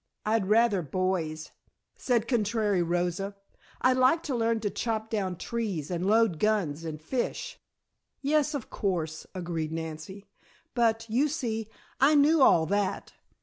"I'd rather boys," said contrary Rosa, "I'd like to learn to chop down trees and load guns and fish " "Yes, of course," agreed Nancy, "but, you see, I knew all that.